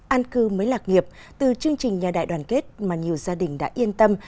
an cư mới lạc nghiệp từ chương trình nhà đại đoàn kết mà nhiều gia đình đã yên tâm